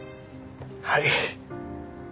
はい。